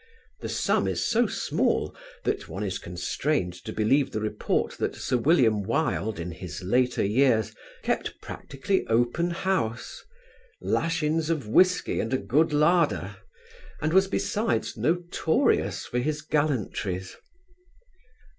The sum is so small that one is constrained to believe the report that Sir William Wilde in his later years kept practically open house "lashins of whisky and a good larder," and was besides notorious for his gallantries.